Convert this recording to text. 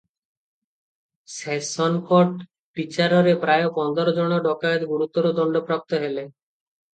Session court ବିଚାରରେ ପ୍ରାୟ ପନ୍ଦର ଜଣ ଡକାଏତ ଗୁରୁତର ଦଣ୍ଡ ପ୍ରାପ୍ତ ହେଲେ ।